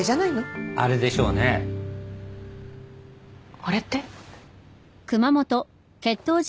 あれって？